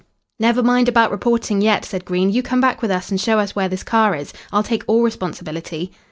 "Never mind about reporting, yet," said Green. "You come back with us and show us where this car is. I'll take all responsibility."